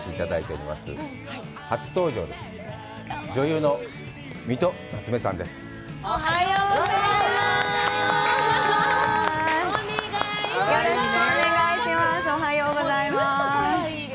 おはようございます。